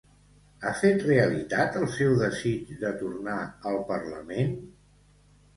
Ha fet realitat el seu desig de tornar al Parlament.